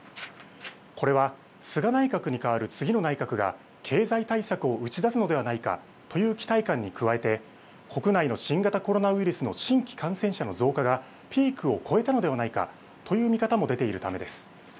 これは菅内閣に代わる次の内閣が経済対策を打ち出すのではないかという期待感に加えて国内の新型コロナウイルスの新規感染者の増加がピークを越えたのではないかという見方も出ているためです。